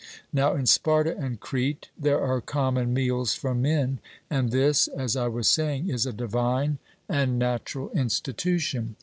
Now in Sparta and Crete there are common meals for men, and this, as I was saying, is a divine and natural institution.